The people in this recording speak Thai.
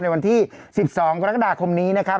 ในวันที่๑๒กรกฎาคมนี้นะครับ